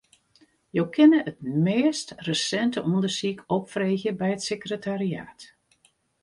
Jo kinne it meast resinte ûndersyk opfreegje by it sekretariaat.